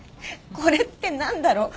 これって何だろう？